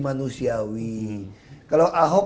manusiawi kalau ahok